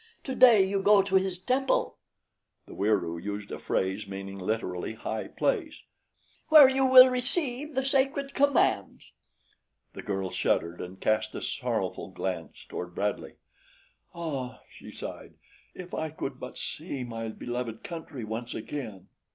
Today you go to his temple " the Wieroo used a phrase meaning literally High Place "where you will receive the sacred commands." The girl shuddered and cast a sorrowful glance toward Bradley. "Ah," she sighed, "if I could but see my beloved country once again!"